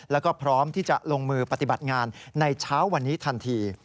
แล้วก็พร้อมที่จะลงมือปฏิบัติงานในเช้าวันนี้ทันที